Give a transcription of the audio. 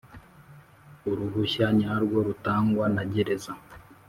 Uruhushya nyarwo rutangwa nagereza.